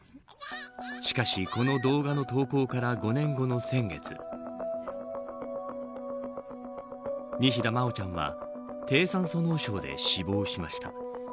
しかし、この動画の投稿から５年後の先月西田真愛ちゃんは低酸素脳症で死亡しました。